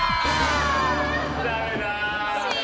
ダメだ。